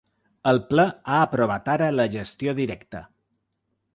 El ple ha aprovat ara la gestió directa.